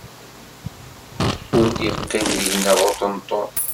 Ur d-iqqim deg-neɣ uṭenṭun.